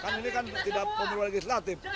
kan ini kan tidak pemilu legislatif